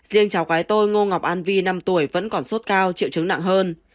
riêng cháu gái tôi ngô ngọc an vi năm tuổi vẫn còn sốt cao triệu chứng nặng hơn